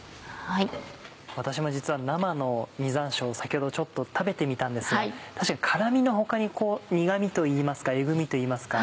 私も実は生の実山椒先ほどちょっと食べてみたんですが確かに辛みの他に苦味といいますかえぐみといいますか。